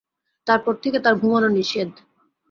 তারপর থেকে তার ঘুমানো নিষেধ।